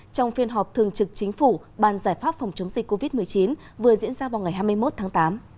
trong phiên họp thường trực chính phủ ban giải pháp phòng chống dịch covid một mươi chín vừa diễn ra vào ngày hai mươi một tháng tám